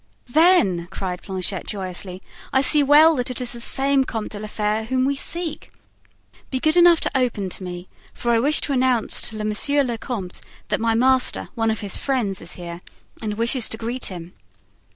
"Then," cried Planchet joyously, "I see well that it is the same Comte de la Fere whom we seek. Be good enough to open to me, for I wish to announce to monsieur le comte that my master, one of his friends, is here, and wishes to greet him."